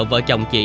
vợ chồng chị